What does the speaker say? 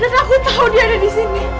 dan aku tau dia ada disini